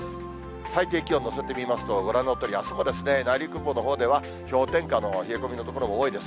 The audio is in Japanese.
最低気温乗せてみますと、ご覧のとおりあすもですね、内陸部のほうでは氷点下の冷え込みの所が多いです。